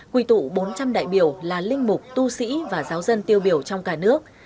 quỳ tụ bốn trăm linh đại biểu là linh mục tu sĩ và giáo dân tiêu biểu trong cả nước